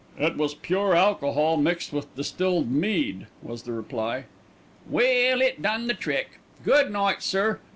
"It was pure alcohol mixed with distilled mead," was the reply. "Well, it done the trick. Good night, sir.